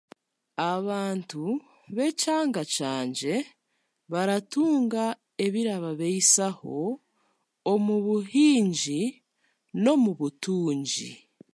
Abantu b'ekyanga kyangye baratunga ebirababeisaho omu buhingi n'omu butungi.